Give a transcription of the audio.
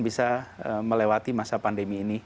bisa melewati masa pandemi ini